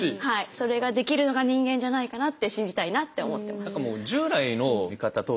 それができるのが人間じゃないかなって信じたいなって思ってます。